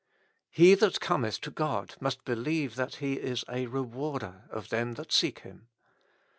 "He that Cometh to God must believe that He is a rewarder of them that seek Him."